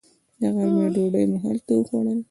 د غرمې ډوډۍ مو هلته وخوړل.